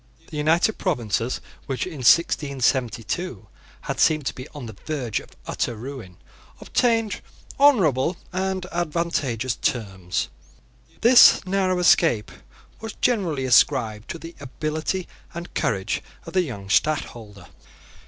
The United Provinces, which in 1672 had seemed to be on the verge of utter ruin, obtained honourable and advantageous terms. This narrow escape was generally ascribed to the ability and courage of the young Stadtholder.